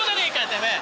てめえ！